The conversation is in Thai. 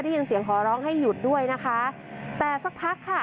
ได้ยินเสียงขอร้องให้หยุดด้วยนะคะแต่สักพักค่ะ